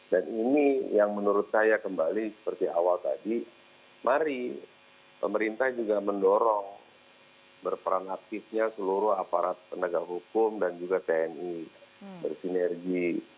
dan ini yang menurut saya kembali seperti awal tadi mari pemerintah juga mendorong berperan aktifnya seluruh aparat tenaga hukum dan juga tni bersinergi